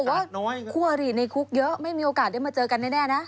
เขาบอกว่าคั่วหรี่ในคุกเยอะไม่มีโอกาสได้มาเจอกันแน่นะ